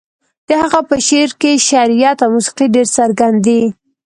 د هغه په شعر کې شعريت او موسيقي ډېر څرګند دي.